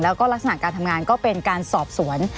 แล้วก็ลักษณะการทำงานก็เป็นการสอบสวน